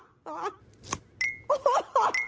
アハハハ！